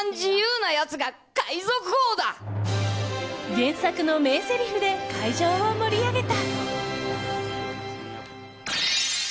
原作の名ぜりふで会場を盛り上げた。